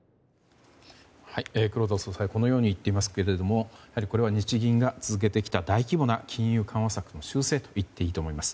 黒田総裁はこのように言っていますけれども、やはりこれは日銀が続けてきた大規模な金融緩和策の修正といっていいと思います。